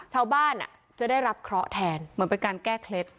ชาวบ้านจะได้รับเคราะห์แทนเหมือนเป็นการแก้เคล็ด